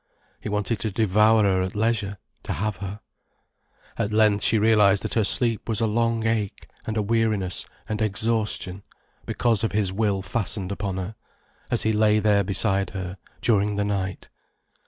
He wanted to devour her at leisure, to have her. At length she realized that her sleep was a long ache and a weariness and exhaustion, because of his will fastened upon her, as he lay there beside her, during the night.